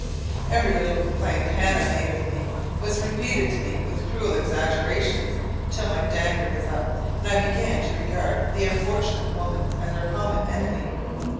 Every little complaint Hannah made of me, was repeated to me with cruel exaggerations, till my dander was up, and I began to regard the unfortunate woman as our common enemy.